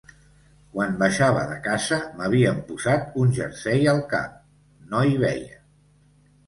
Quan baixava de casa m’havien posat un jersei al cap, no hi veia.